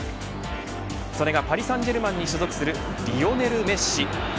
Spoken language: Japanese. それが、パリ・サンジェルマンに所属するリオネル・メッシ。